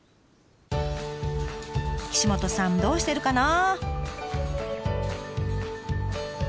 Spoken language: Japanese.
岸本さんどうしてるかな？